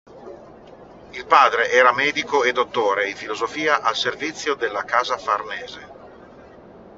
Il padre era medico e dottore in filosofia al servizio della casa Farnese.